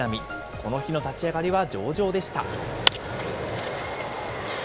この日の立ち上がりは上々でした。